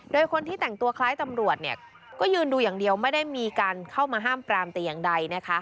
โดยคนที่แต่งตัวคล้ายตำรวจเนี่ยก็ยืนดูอย่างเดียวไม่ได้มีการเข้ามาห้ามปรามแต่อย่างใดนะคะ